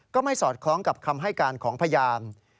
ก็ไม่สอดคล้องกับคำให้การของพยาน